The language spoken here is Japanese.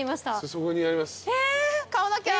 そこにあります。